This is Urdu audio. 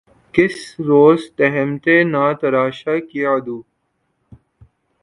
کس روز تہمتیں نہ تراشا کیے عدو